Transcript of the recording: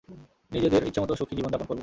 নিজেদের ইচ্ছে মত সুখী জীবন যাপন করবো।